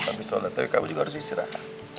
tapi sholat tadi kamu juga harus istirahat